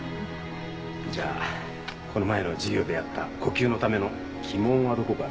じゃあこの前の授業でやった呼吸のための気門はどこかな？